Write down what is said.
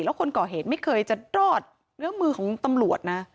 แล้วคนก่อเหตุไม่เคยจะรอดเนื้อมือของตำรวจนะ